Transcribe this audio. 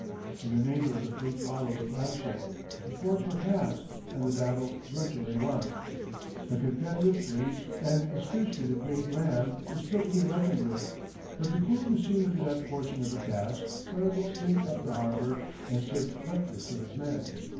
The remainder of the fleet followed the flagship, the forts were passed, and the battle virtually won. The Confederate fleet, and especially the great ram, was still to be reckoned with, but before proceeding to that portion of the task, Farragut steamed up the harbor and served breakfast to his men.